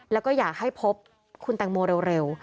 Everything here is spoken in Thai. แล้วก็อยากให้พบคุณแตงโมเร็ว